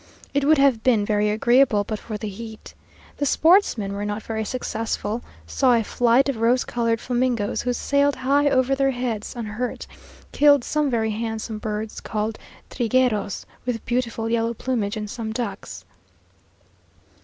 It would have been very agreeable but for the heat. The sportsmen were not very successful; saw a flight of rose coloured flamingoes, who sailed high over their heads, unhurt; killed some very handsome birds called trigueros, with beautiful yellow plumage, and some ducks.